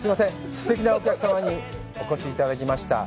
すてきなお客様にお越しいただきました。